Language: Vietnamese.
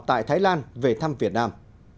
tại thái lan về thăm việt nam